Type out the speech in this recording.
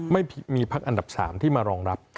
ไม่มีพักอันดับ๓ที่มารองรับ